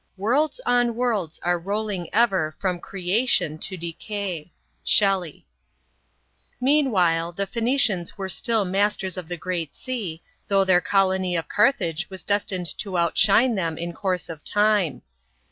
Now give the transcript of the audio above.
" Worlds on worlds are rolling ever From creation to decay." SHELLEY. MEANWHILE the Phoenicians were still masters of the Great Sea, though their colony of Car thage was destined to outshine them in course of time.